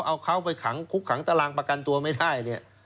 เอาเขาไปขังคุกขังตารางประกันตัวไม่ได้เนี่ย